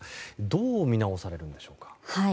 どう見直されるんでしょうか。